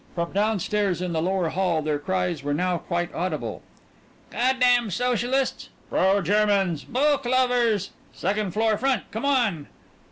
From down stairs in the lower hall their cries were now quite audible. " God damn Socialists!" "Pro Germans! Boche lovers!" "Second floor, front! Come on!"